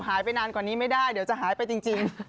หายไปนานกว่านี้ไม่ได้เดี๋ยวจะหายไปจริง